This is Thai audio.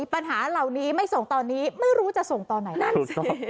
ปัญหาเหล่านี้ไม่ส่งตอนนี้ไม่รู้จะส่งตอนไหนนั่นดูสิ